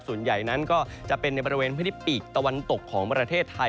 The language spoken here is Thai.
ส่วนใหญ่นั้นก็จะเป็นในบริเวณพื้นที่ปีกตะวันตกของประเทศไทย